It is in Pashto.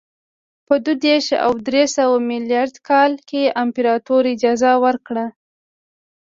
په دوه دېرش او درې سوه میلادي کال کې امپراتور اجازه ورکړه